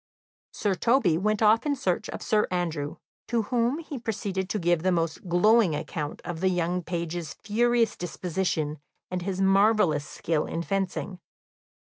Sir Toby went off in search of Sir Andrew, to whom he proceeded to give the most glowing account of the young page's furious disposition, and his marvellous skill in fencing.